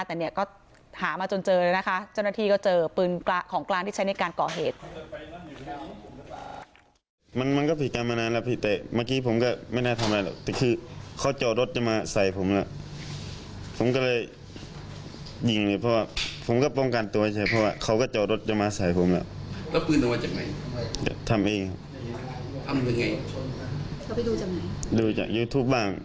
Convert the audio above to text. แต่เนี่ยก็หามาจนเจอเลยนะคะเจ้าหน้าที่ก็เจอปืนของกลางที่ใช้ในการก่อเหตุ